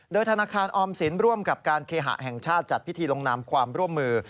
โดยธนาคารออมสินร่วมกับการเคหะแห่งชาติจัดพิธีลงนามความร่วมมือ